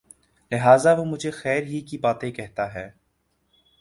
لہٰذا وہ مجھے خیر ہی کی باتیں کہتا ہے